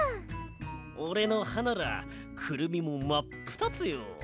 おれのはならクルミもまっぷたつよ！